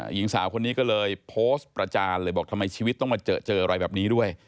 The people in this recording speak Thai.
หญิงสาวคนนี้ก็เลยโพสต์ประจานเลยบอกทำไมชีวิตต้องมาเจอเจออะไรแบบนี้ด้วย